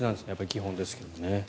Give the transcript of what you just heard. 基本ですけどね。